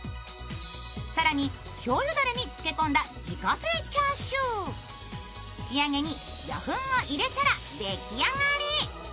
更にしょうゆだれに漬け込んだ自家製チャーシュー、仕上げに魚粉を入れたら出来上がり。